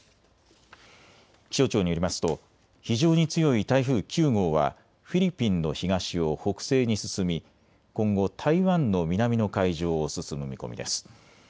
気象庁によりますと非常に強い台風９号はフィリピンの東を北西に進み今後、台湾の南の海上を進む見込みです。